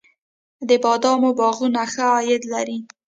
د بادامو باغونه ښه عاید لري؟